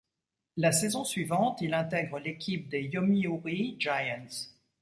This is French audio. La saison suivante, il intègre l'équipe des Yomiuri Giants.